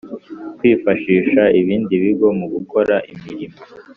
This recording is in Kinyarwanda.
kwifashisha ibindi bigo mu gukora imirimo